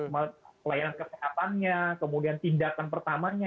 pelayanan kesehatannya kemudian tindakan pertamanya